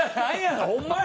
ホンマや！